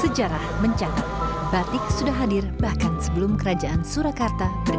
sejarah menjana batik sudah hadir bahkan sebelum kerajaan surakarta ndr langs